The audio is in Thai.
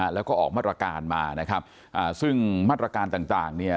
และก็ออกมาตรการมาซึ่งมาตรการต่าง